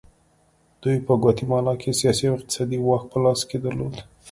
دوی په ګواتیمالا کې سیاسي او اقتصادي واک په لاس کې درلود.